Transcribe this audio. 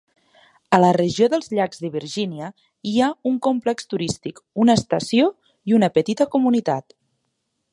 A la regió dels llacs de Virgínia hi ha un complex turístic, una estació i una petita comunitat.